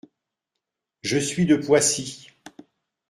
Je suis de Poissy.